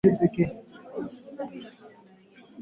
Aloi hizi huwa ni imara sana.